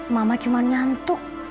mama cuma nyantuk